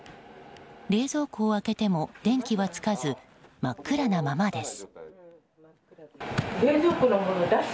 冷蔵庫を開けても電気はつかず真っ暗なままです。